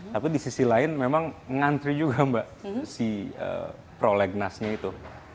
tapi di sisi lain memang ngantri juga mbak si prolegnasnya itu